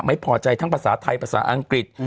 ไม่พอใจทั้งภาษาไทยภาษาอังกฤษ